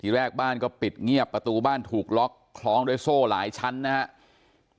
แรกบ้านก็ปิดเงียบประตูบ้านถูกล็อกคล้องด้วยโซ่หลายชั้นนะครับ